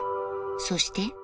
そして